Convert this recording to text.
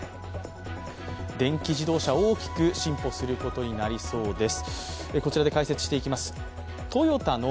電気自動車、大きく進歩することになりそうです。